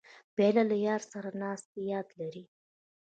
پیاله له یار سره د ناستې یاد لري.